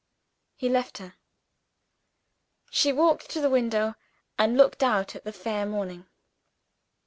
He left her. She walked to the window, and looked out at the fair morning.